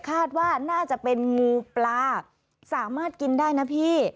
คาดว่าน่าจะเป็นงูปลาสามารถกินได้นะพี่